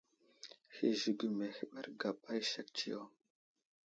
Hi zigəmi ahəɓerge gapa i sek tsiyo.